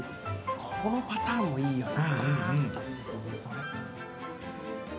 このパターンもいいな。